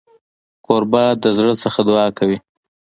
کوربه د زړه نه دعا کوي.